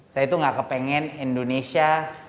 saya tuh gak kepengen indonesia